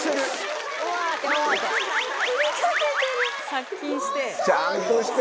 殺菌して。